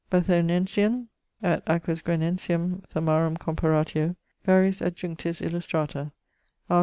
Bathonensium et Aquisgranensium thermarum comparatio, variis adjunctis illustrata: R.